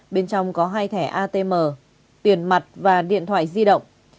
bên trong có hai thẻ atm tiền mặt và điện thoại di động